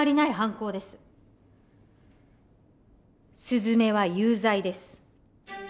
すずめは有罪です。